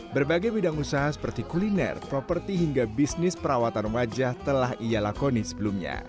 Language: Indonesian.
berbagai bidang usaha seperti kuliner properti hingga bisnis perawatan wajah telah ia lakoni sebelumnya